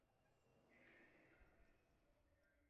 Horiek bazekiten zergaitik eta zozoak ez ziren.